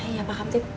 iya pak kantip